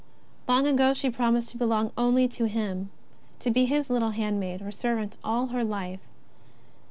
Long ago she promised to belong only to Him, to be His little hand maid or servant all her life.